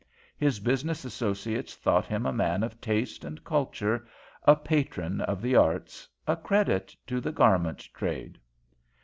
His business associates thought him a man of taste and culture, a patron of the arts, a credit to the garment trade.